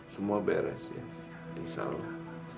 semua beres ya insya allah